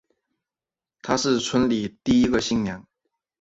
她是村里第一个新娘